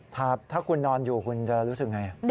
ถ้าคุณนอนอยู่คุณจะรู้สึกไง